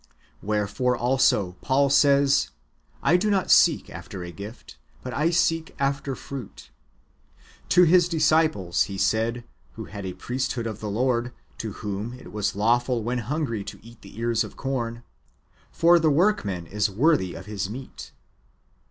"^ Wherefore also Paul says, " I do not seek after a gift, but I seek after fruit." ^ To His disciples He said, who had a priesthood of the Lord,^ to whom it was lawful when hungry to eat the ears of corn,^ " For the workman is worthy of his meat."